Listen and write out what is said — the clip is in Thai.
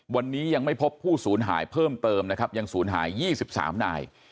วันนี้ยังไม่พบผู้สูญหายเพิ่มเติมนะครับยังสูญหายยี่สิบสามนาย